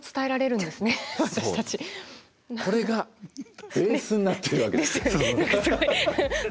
これがベースになってるわけですよ。ですよね。